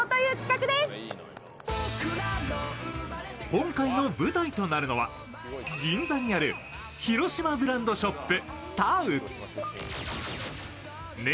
今回の舞台となるのは銀座にあるひろしまブランドショップ